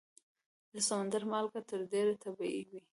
د سمندر مالګه تر ډېره طبیعي وي.